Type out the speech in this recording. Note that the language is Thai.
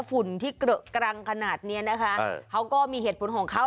ฝุ่นที่เกลอะกรังขนาดเนี้ยนะคะเขาก็มีเหตุผลของเขา